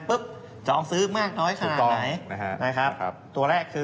ปุ๊บจองซื้อมากน้อยขนาดไหนตัวแรกคือ